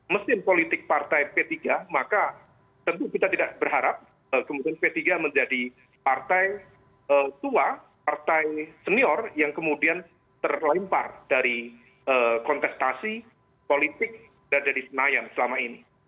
mesin politik partai p tiga maka tentu kita tidak berharap kemudian p tiga menjadi partai tua partai senior yang kemudian terlempar dari kontestasi politik yang ada di senayan selama ini